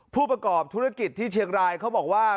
ผู้ประกอบธุรกิจเขาบอกว่า